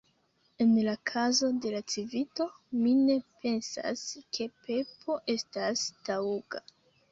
En la kazo de la Civito mi ne pensas ke Pepo estas taŭga.